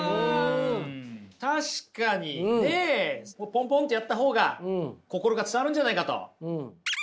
ポンポンってやった方が心が伝わるんじゃないかと。